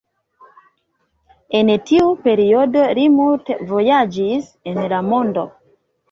En tiu periodo li multe vojaĝis en la mondo.